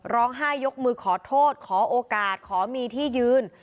ร้องไห้ยกมือขอโทษขอโอกาสขอมีที่ยืน